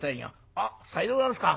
「あっさようでございますか。